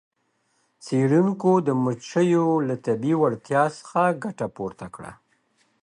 څیړونکو د مچیو له طبیعي وړتیا څخه ګټه پورته کړه.